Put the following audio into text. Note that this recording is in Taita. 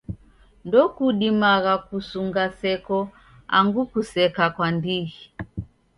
Ndokudimagha kusunga seko angu kuseka kwa ndighi.